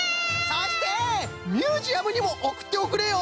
そしてミュージアムにもおくっておくれよ！